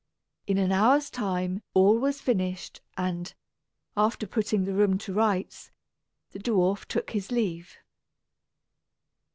In an hour's time all was finished and, after putting the room to rights, the dwarf took his leave.